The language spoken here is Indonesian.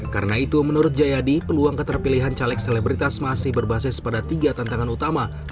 karena itu menurut jayadi peluang keterpilihan caleg selebritas masih berbasis pada tiga tantangan utama